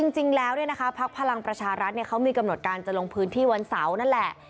จริงแล้วพักพลังประชารัฐเขามีกำหนดการจะลงพื้นที่วันเสาร์นั่นแหละ